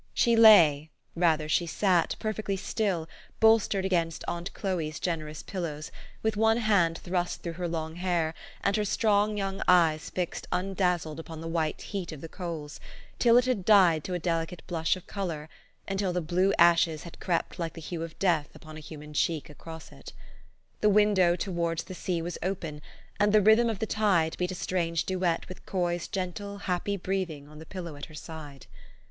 She lay, rather she sat, perfectly still, bolstered against aunt Chloe's generous pillows, with one hand thrust through her long hair, and her strong young eyes fixed undazzled upon the white heat of the coals, till it had died to a delicate blush of color, until the blue ashes had crept like the hue of death upon a human cheek across it. The window towards the sea was open, and the rhythm of the tide beat a strange duet with Coy's gentle, happy breathing on the pillow at her side.